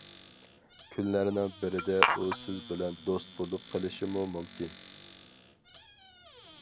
كۈنلەرنىڭ بىرىدە ئۇ سىز بىلەن دوست بولۇپ قېلىشىمۇ مۇمكىن.